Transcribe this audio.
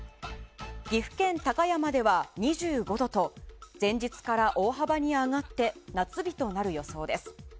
岐阜県高山では２５度と前日から大幅に上がって夏日となる予想です。